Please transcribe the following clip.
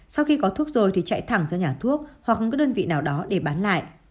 sau khi có thuốc rồi thì chạy thẳng ra nhà thuốc hoặc các đơn vị nào đó để bán lại